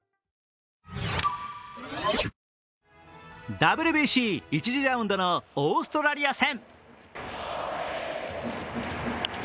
ＷＢＣ・１次ラウンドのオーストラリア戦。